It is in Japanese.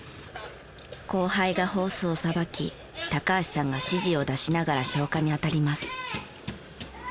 後輩がホースをさばき橋さんが指示を出しながら消火にあたります。